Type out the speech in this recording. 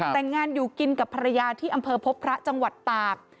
แต่งงานอยู่กินกับภรรยาที่อำเภอพบพระจังหวัดตาก